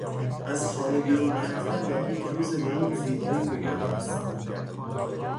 از خانه بیرون نرفتن در یک روز به این زیبایی گناه است.